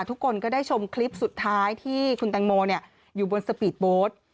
ทุกคนก็ได้ชมคลิปสุดท้ายที่คุณแตงโมอยู่บนสปีดโบสต์